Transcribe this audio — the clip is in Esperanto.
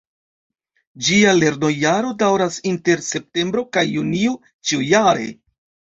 Ĝia lernojaro daŭras inter Septembro kaj Junio ĉiujare.